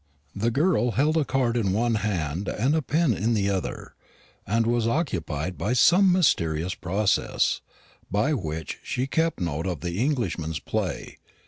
The girl held a card in one hand and a pin in the other, and was occupied in some mysterious process, by which she kept note of the Englishman's play.